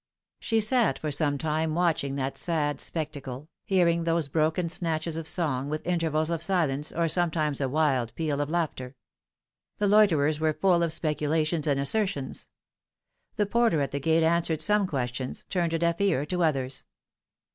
She sat for some time watching that sad spectacle, hearing those broken snatches of song, with intervals of silence, or some times a wild peal of laughter. The loiterers were full of speculations and assertions. The porter at the gate answered some questions, turned a deaf ear to others.